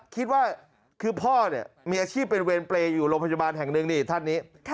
คิดว่าคือพ่อเนี่ยมีอาชีพเป็นเวรเปรย์อยู่โรงพยาบาลแห่งหนึ่งนี่ท่านนี้